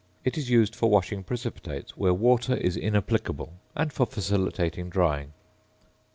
It is used for washing precipitates where water is inapplicable, and for facilitating drying.